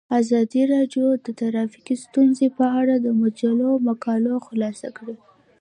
ازادي راډیو د ټرافیکي ستونزې په اړه د مجلو مقالو خلاصه کړې.